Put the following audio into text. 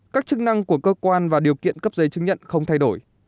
các chức năng của cơ quan và điều kiện cấp giấy chứng nhận không thay đổi